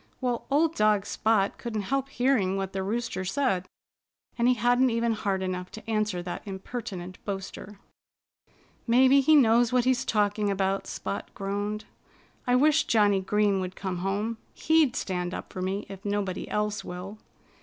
Well, old dog Spot couldn't help hearing what the Rooster said. And he hadn't even heart enough to answer that impertinent boaster. "Maybe he knows what he's talking about," Spot groaned. "I wish Johnnie Green would come home. He'd stand up for me, if nobody else will."